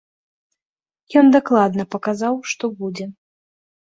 Ён дакладна паказаў, што будзе.